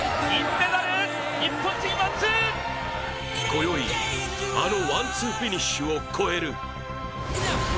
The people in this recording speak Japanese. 今宵、あのワン・ツーフィニッシュを超える。